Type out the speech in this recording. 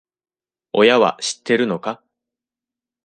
親は知ってるのか？